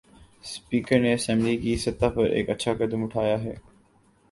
Speaker نے assembly کی سطح پر ایک اچھا قدم اٹھایا ہے۔